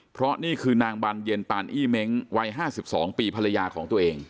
เพราะนี่คือนางบานเย็นปานอี้เม้งวัย๕๒ปีภรรยาของตัวเอง